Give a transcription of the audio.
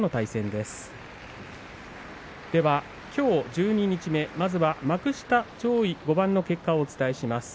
十二日目、まずは幕下上位５番の結果をお伝えします。